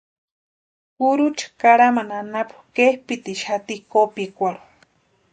Kurucha karhamani anapu kepʼitixati kopikwarhu.